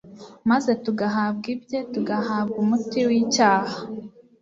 maze tugahabwa ibye, tugahabwa umuti w’icyaha